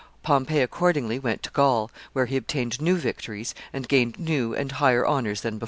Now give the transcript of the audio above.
Pompey accordingly went to Gaul, where he obtained new victories, and gained new and higher honors than before.